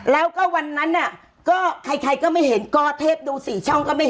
แล้วก็วันนั้นน่ะก็ใครก็ไม่เห็นก็เทพดู๔ช่องก็ไม่เห็น